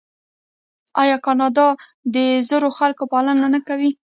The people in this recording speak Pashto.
آیا کاناډا د زړو خلکو پالنه نه کوي؟